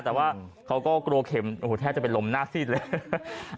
แต่ว่าเขาก็กลัวเข็มโอ้โหแทบจะเป็นลมหน้าซีดเลย